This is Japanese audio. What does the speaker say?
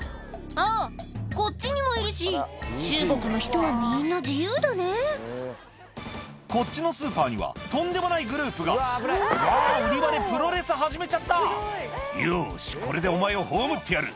あぁこっちにもいるし中国の人はみんな自由だねこっちのスーパーにはとんでもないグループがあぁ売り場でプロレス始めちゃった「よしこれでお前を葬ってやる」